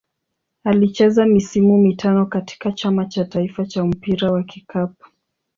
Alicheza misimu mitano katika Chama cha taifa cha mpira wa kikapu.